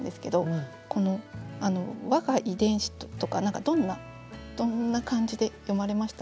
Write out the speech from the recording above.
この「吾が遺伝子」とか何かどんな感じで読まれました？